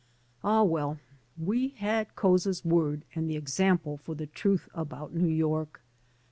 Ah, well, we had G>uza's word and example for the truth about New York.